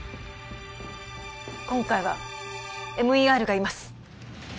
今回はＭＥＲがいます